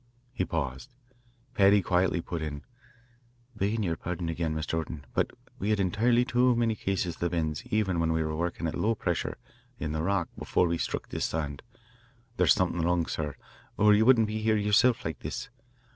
He paused. Paddy quietly put in: "Beggin' yer pardon again, Mr. Orton, but we had entirely too many cases of the bends even when we were wurkin' at low pressure, in the rock, before we sthruck this sand. There's somethin' wrong, sir, or ye wouldn't be here yerself like this.